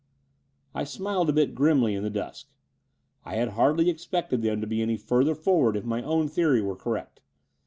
I smiled a bit grinaly in the dusk. I had hardly expected them to be any further forward if my own theory were correct.